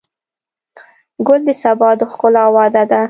ګل د سبا د ښکلا وعده ده.